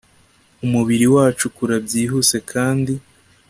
umubiri wacu ukura byihuse kandi